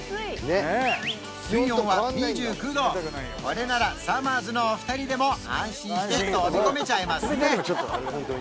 ねっこれならさまぁずのお二人でも安心して飛び込めちゃいますね